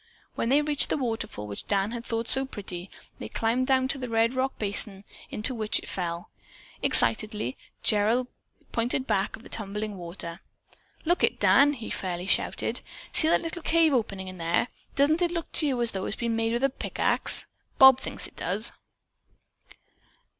When they reached the waterfall which Dan had thought so pretty, they climbed down to the red rock basin into which it fell. Excitedly, Gerald pointed back of the tumbling water. "Look it, Dan!" he fairly shouted. "See that little cave opening in there! Doesn't it look to you as if it had been made with a pickaxe? Bob thinks it does."